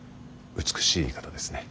美しい方ですね。